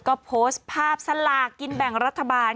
ก็โพสต์ภาพสลากินแบ่งรัฐบาล